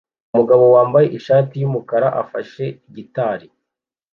Umugabo wambaye ishati yumukara afashe gitari